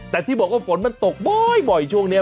แต่ที่บอกว่าฝนมันตกบ่อยช่วงนี้